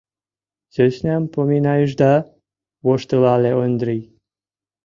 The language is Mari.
— Сӧснам поминайышда? — воштылале Ондрий.